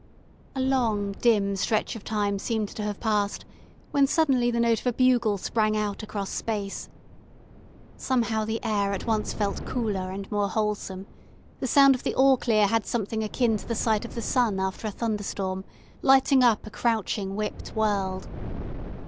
A long dim stretch of time seemed to have passed when suddenly the note of a bugle sprang out across space. Somehow the air at once felt cooler and more wholesome, the sound of the All clear had something akin to the sight of the sun after a thunderstorm, lighting up a crouching whipped world.